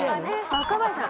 若林さん